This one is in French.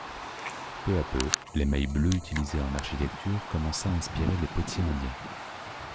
Peu à peu, l'émail bleu utilisé en architecture commença à inspirer les potiers indiens.